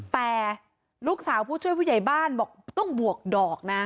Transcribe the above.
แต่ลูกสาวผู้ช่วยผู้ใหญ่บ้านบอกต้องบวกดอกนะ